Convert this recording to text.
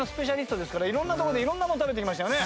色んなとこで色んなもの食べてきましたよね？